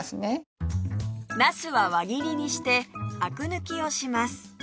なすは輪切りにしてアク抜きをします